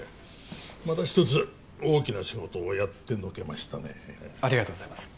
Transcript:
またひとつ大きな仕事をやってのけましたねありがとうございます